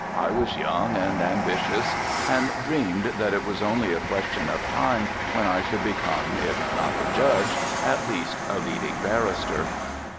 I was young and ambitions and dreamed that it was only a question of time when I should become, if not a judge, at least a leading barrister.